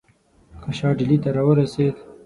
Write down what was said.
که شاه ډهلي ته را ورسېد.